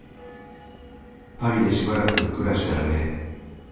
パリでしばらく暮らしたらええ。